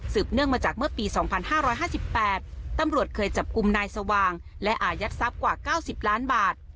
เนื่องมาจากเมื่อปี๒๕๕๘ตำรวจเคยจับกลุ่มนายสว่างและอายัดทรัพย์กว่า๙๐ล้านบาท